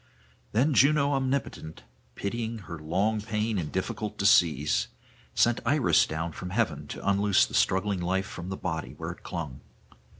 Then Juno omnipotent, pitying her long pain and difficult decease, sent Iris down from heaven to unloose the struggling life from the body where it clung.